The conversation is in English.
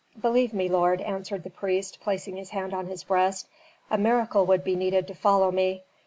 "Believe me, lord," answered the priest, placing his hand on his breast, "a miracle would be needed to follow me.